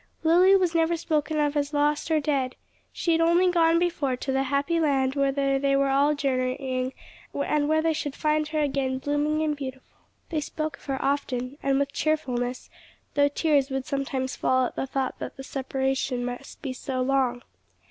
'" Lily was never spoken of as lost or as dead; she had only gone before to the happy land whither they all were journeying, and where they should find her again blooming and beautiful; they spoke of her often and with cheerfulness, though tears would sometimes fall at the thought that the separation must be so long.